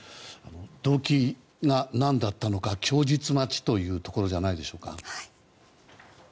動機が何だったのか供述待ちというところじゃないでしょうか。